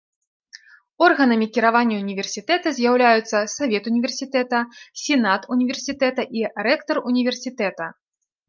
Органамі кіравання ўніверсітэта з'яўляюцца савет універсітэта, сенат універсітэта і рэктар універсітэта.